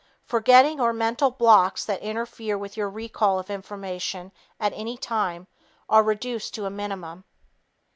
Forgetting or mental blocks that interfere with your recall of the information at any time, are reduced to a minimum.